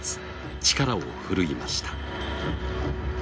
力をふるいました。